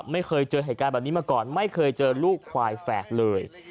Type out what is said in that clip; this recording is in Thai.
ไม่เคยเจอเหตุการณ์แบบนี้มาก่อนไม่เคยเจอลูกควายแฝดเลย